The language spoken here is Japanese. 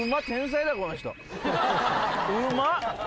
うまっ！